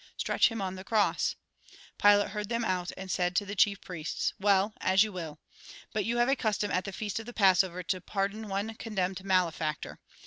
Stretch him on the cross !" Pilate heard them out, and said to the chief priests :" Well, as you will ! But you have a custom at the feast of the Passover to pardon one condemned malefactor.